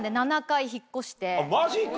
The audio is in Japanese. マジか。